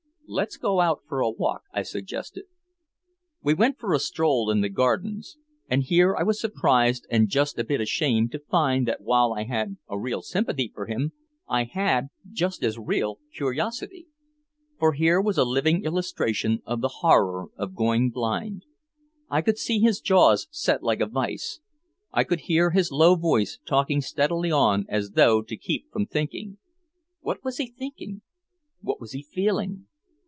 "Let's go out for a walk," I suggested. We went for a stroll in the Gardens. And here I was surprised and just a bit ashamed to find that while I had a real sympathy for him I had just as real curiosity. For here was a living illustration of the horror of going blind. I could see his jaws set like a vise, I could hear his low voice talking steadily on as though to keep from thinking. What was he thinking? What was he feeling?